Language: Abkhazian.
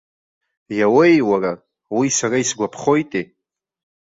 Иауеи, уара, уи сара исгәаԥхоитеи?